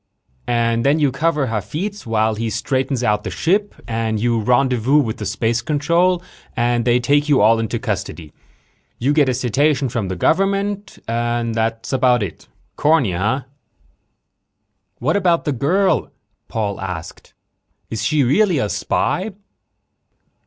"And then you cover Hafitz while he straightens out the ship and you rendezvous with the space control and they take you all into custody. You get a citation from the government. That's about it. Corny, huh?" "But what about the girl?" Paul asked. "Is she really a spy?"